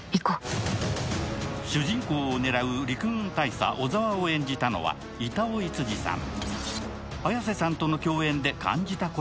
主人公を狙う陸軍大佐・小沢を演じたのは板尾創路さん。